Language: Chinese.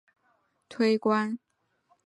授山西太原府推官。